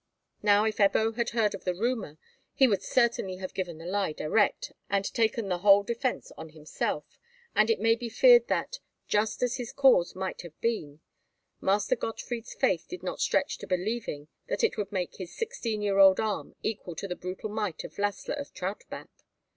Now, if Ebbo had heard of the rumour, he would certainly have given the lie direct, and taken the whole defence on himself; and it may be feared that, just as his cause might have been, Master Gottfried's faith did not stretch to believing that it would make his sixteen year old arm equal to the brutal might of Lassla of Trautbach.